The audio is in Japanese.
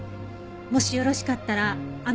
もしよろしかったらあの食材を。